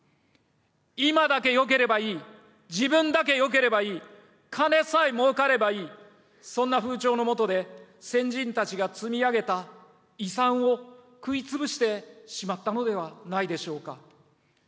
今だけよければいい、自分だけよければいい、金さえもうかればいい、そんな風潮の下で、先人たちが積み上げた遺産を食い潰してしまったのではないでしょうか。